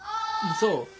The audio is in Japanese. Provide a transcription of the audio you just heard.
そう。